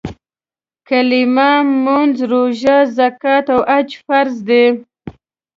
کلیمه، مونځ، روژه، زکات او حج فرض دي.